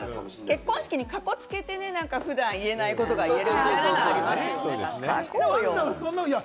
結婚式にかこつけて、普段言えないことが言えるみたいなのありますよね、確かに。